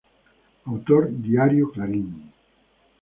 Autor: Diario Clarín.